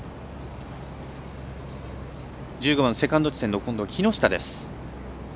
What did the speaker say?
１５番、セカンド地点の木下です。